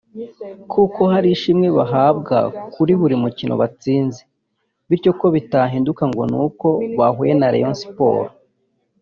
kuko hari ishimwe bahabwa kuri buri mukino batsinze bityo ko bitahinduka ngo ni uko bahuye na Rayon Sports